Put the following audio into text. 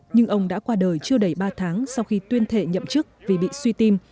nhưng ông đã qua đời chưa đầy ba tháng sau khi tuyên thệ nhậm chức vì bị suy tim